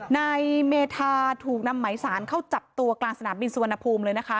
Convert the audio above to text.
นายเมธาถูกนำไหมสารเข้าจับตัวกลางสนามบินสุวรรณภูมิเลยนะคะ